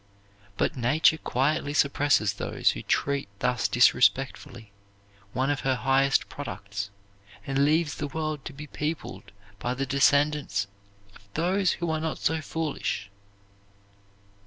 But Nature quietly suppresses those who treat thus disrespectfully one of her highest products, and leaves the world to be peopled by the descendants of those who are not so foolish."